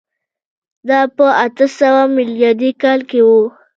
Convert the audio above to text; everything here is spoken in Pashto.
دا په اته سوه میلادي کال کي و.